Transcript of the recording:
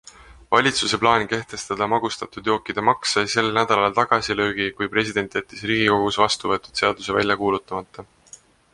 Valitsuse plaan kehtestada magustatud jookide maks sai sel nädalal tagasilöögi kui president jättis riigikogus vastu võetud seaduse välja kuulutamata.